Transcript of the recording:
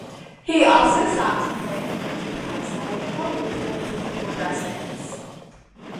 He also sought to create an enterprise that would help employ local residents.